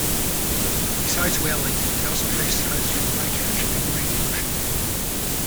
Besides whaling, they also face threats from bycatch and marine pollution.